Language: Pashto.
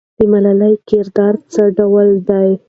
د ملالۍ کردار څه ډول دی؟